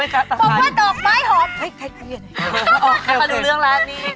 เอาไว้ในห้องนอน